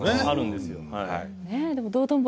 あるんですよはい。